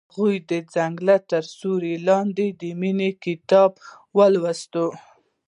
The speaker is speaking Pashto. هغې د ځنګل تر سیوري لاندې د مینې کتاب ولوست.